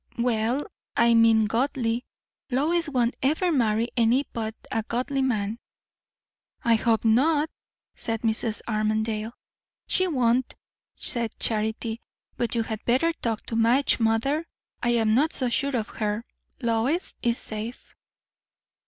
"Well, I mean godly. Lois won't ever marry any but a godly man." "I hope not!" said Mrs. Armadale. "She won't," said Charity; "but you had better talk to Madge, mother. I am not so sure of her. Lois is safe."